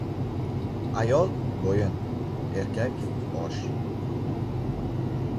• Ayol — bo‘yin, erkak — bosh.